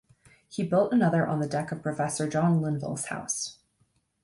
He built another on the deck of professor John Linvill's house.